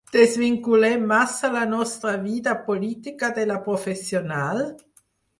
Desvinculem massa la nostra vida política de la professional?